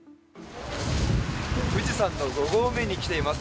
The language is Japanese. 富士山の５合目に来ています。